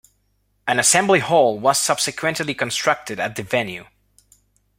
An assembly hall was subsequently constructed at the venue.